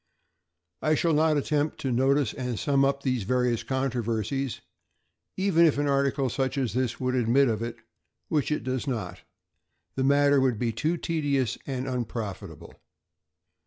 I shall not attempt to notice and sum up these various controversies; even if an article such as this would admit of it, which it does not, the matter would be too tedious and unprofitable.